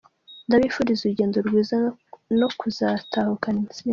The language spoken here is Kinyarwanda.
Ndabifuriza urugendo rwiza no kuzatahukana intsinzi.